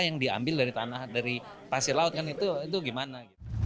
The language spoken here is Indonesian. yang diambil dari pasir laut itu gimana